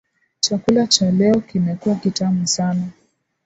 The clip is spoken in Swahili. Chakula cha leo kimekuwa kitamu sana.